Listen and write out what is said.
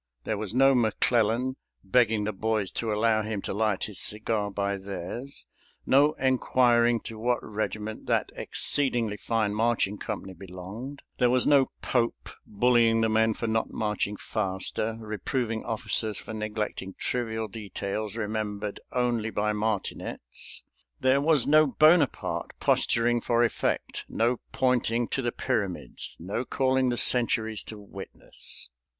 There was no McClellan begging the boys to allow him to light his cigar by theirs; no inquiring to what regiment that exceedingly fine marching company belonged; there was no Pope bullying the men for not marching faster, reproving officers for neglecting trivial details remembered only by martinets; there was no Bonaparte posturing for effect; no pointing to the pyramids, no calling the centuries to witness.